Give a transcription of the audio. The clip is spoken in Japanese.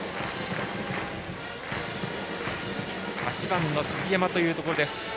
８番の杉山というところです。